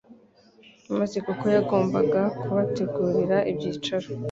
Maze kuko yagombaga kubategtuira ibyicaro,